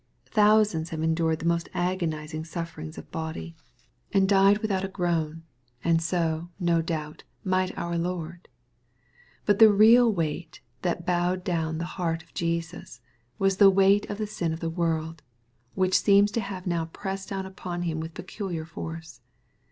Thousands have en dured the most agonizing sufferings of body, and died 16 362 xxposrroBT THouGHra without a groan, and so, no doubt, might our Lord But the real weight that bowed down the heart of Jesus, was the weight of the sin of the world, which seenos to have now pressed down upon Him with peculiar force.